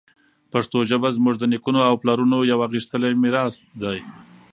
پښتو ژبه زموږ د نیکونو او پلارونو یوه غښتلې میراث ده.